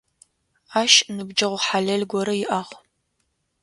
Ащ ныбджэгъу хьалэл горэ иӏагъ.